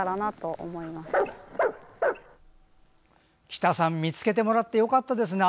喜多さん見つけてもらってよかったですね。